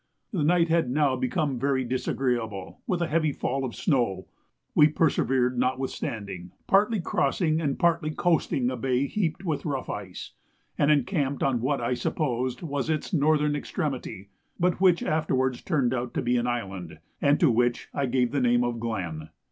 The night had now become very disagreeable, with a heavy fall of snow; we persevered notwithstanding, partly crossing and partly coasting a bay heaped with rough ice, and encamped on what I supposed was its northern extremity, but which afterwards turned out to be an island, and to which I gave the name of Glen.